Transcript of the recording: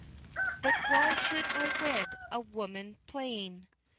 "But why should I wed a woman plain?